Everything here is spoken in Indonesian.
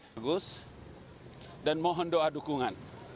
bagus dan mohon doa dukungan